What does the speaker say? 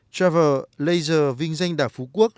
trevor laser vinh danh đảo phú quốc